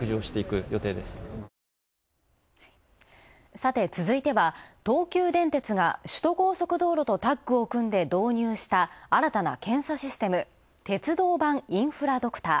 さて続いては、東急電鉄が首都高速道路とタッグを組んで導入した、新たな検査システム、鉄道版インフラドクター。